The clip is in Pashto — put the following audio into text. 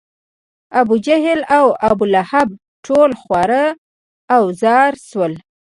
ابوجهل او ابولهب ټول خوار و زار شول.